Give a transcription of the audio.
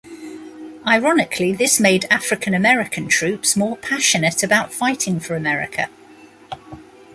Ironically this made African American troops more passionate about fighting for America.